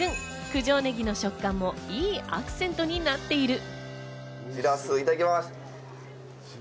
九条ネギの食感もいいアクセントになっている。